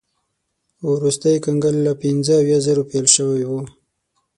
وروستی کنګل له پنځه اویا زرو پیل شوی و.